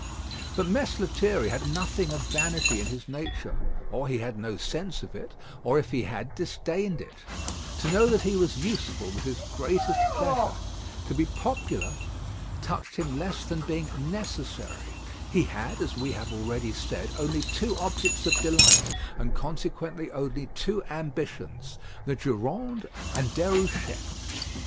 But Mess Lethierry had nothing of vanity in his nature, or he had no sense of it; or if he had, disdained it: to know that he was useful was his greatest pleasure; to be popular touched him less than being necessary; he had, as we have already said, only two objects of delight, and consequently only two ambitions: the Durande and Déruchette.